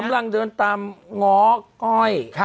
กำลังเดินตามง้อก้อย